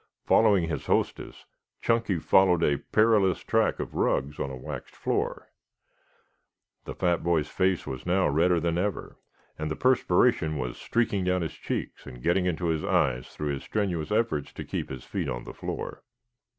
Following his hostess Chunky followed a perilous track of rugs on a waxed floor. The fat boy's face was now redder than ever, and the perspiration was streaking down his cheeks and getting into his eyes through his strenuous efforts to keep his feet on the floor.